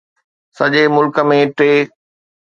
سڄي ملڪ ۾ ٽي